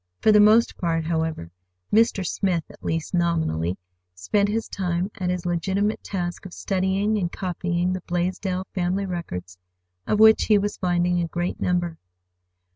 For the most part, however, Mr. Smith, at least nominally, spent his time at his legitimate task of studying and copying the Blaisdell family records, of which he was finding a great number.